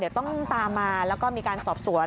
เดี๋ยวต้องตามมาแล้วก็มีการสอบสวน